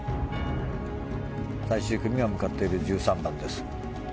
最終組が向かっている１３番です。